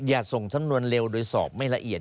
ส่งสำนวนเร็วโดยสอบไม่ละเอียด